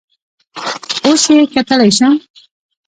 اوس یې کتلی شم؟